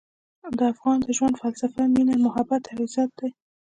د افغان د ژوند فلسفه مینه، محبت او عزت دی.